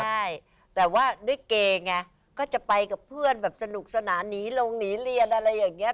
ใช่แต่ว่าด้วยเกย์ไงก็จะไปกับเพื่อนแบบสนุกสนานหนีลงหนีเรียนอะไรอย่างนี้